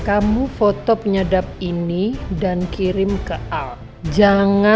aduh dibikin tiap hari aja